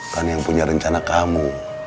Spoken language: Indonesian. kan yang punya rencana kamu